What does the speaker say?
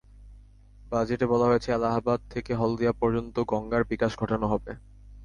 বাজেটে বলা হয়েছে, এলাহাবাদ থেকে হলদিয়া পর্যন্ত গঙ্গার বিকাশ ঘটানো হবে।